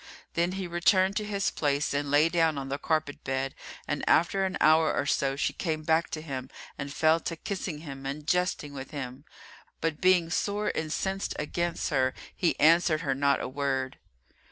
Then he returned to his place and lay down on the carpet bed and after an hour or so she came back to him and fell to kissing him and jesting with him; but being sore incensed against her he answered her not a word.